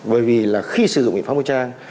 bởi vì khi sử dụng biện pháp vũ trang